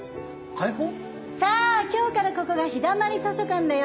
さぁ今日からここがひだまり図書館だよ。